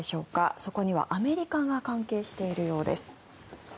そこにはアメリカが関係しているようです。